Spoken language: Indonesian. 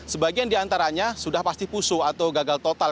sebagian di antaranya sudah pasti pusu atau gagal total